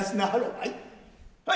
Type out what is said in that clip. はい。